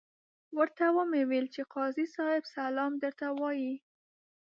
ورته ویې ویل چې قاضي صاحب سلام درته وایه.